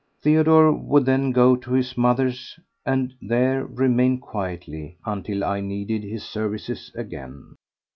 Theodore would then go to his mother's and there remain quietly until I needed his services again.